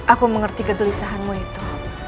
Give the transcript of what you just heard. aku mengerti kegelisahanmu itu